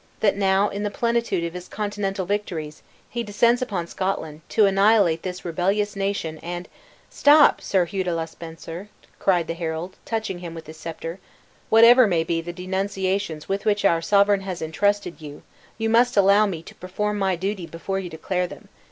that now, in the plenitude of his continental victories, he descends upon Scotland, to annihilate this rebellious nation; and " "Stop, Sir Hugh le de Spencer," cried the herald, touching him with his scepter; "whatever may be the denunciations with which our sovereign has intrusted you, you must allow me to perform my duty before you declare them.